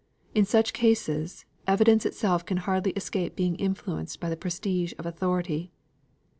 In such cases, evidence itself can hardly escape being influenced by the prestige of authority."